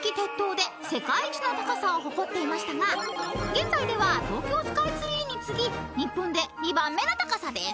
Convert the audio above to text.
［現在では東京スカイツリーに次ぎ日本で２番目の高さです］